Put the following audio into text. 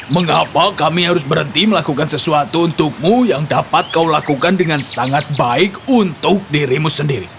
mengapa kami harus berhenti melakukan sesuatu untukmu yang dapat kau lakukan dengan sangat baik untuk dirimu sendiri